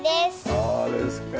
そうですか。